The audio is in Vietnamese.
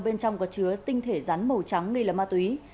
bên trong có chứa tinh thể rắn màu trắng nghi là ma túy